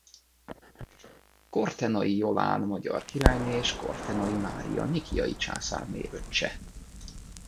Courtenay Jolán magyar királyné és Courtenay Mária nikaiai császárné öccse.